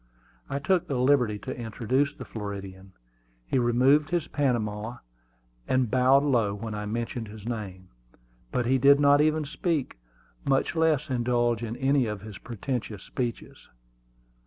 I took the liberty to introduce the Floridian. He removed his Panama, and bowed low when I mentioned his name; but he did not even speak, much less indulge in any of his pretentious speeches.